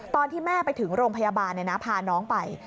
ตอนที่แม่ไปถึงโรงพยาบาลพาน้องไป